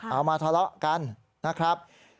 เอามาทะเลาะกันนะครับ